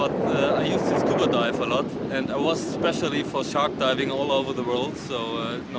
tapi saya selalu mencoba scuba dive dan saya terutama mencoba snorkeling di seluruh dunia